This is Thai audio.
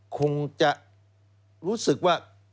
คงจะรู้สึกว่า